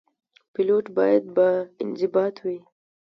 پیلوټ باید باانضباط وي.